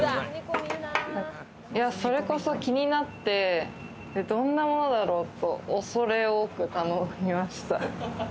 それこそ気になって、どんなものだろうと、おそれ多く頼みました。